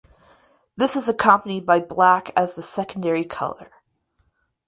This is accompanied by black as the secondary colour.